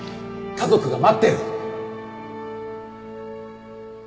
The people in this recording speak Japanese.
家族が待ってる！